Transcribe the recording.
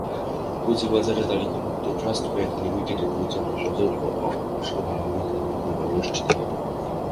পুঁজিবাজারে তালিকাভুক্ত trust bank লিমিটেডের পরিচালনা পর্ষদ সভা আগামীকাল মঙ্গলবার অনুষ্ঠিত হবে।